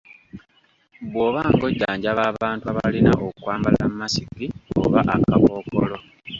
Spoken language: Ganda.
Bw’oba ng’ojjanjaba abantu abalina okwambala masiki oba akakookolo.